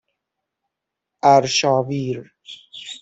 ارشاویر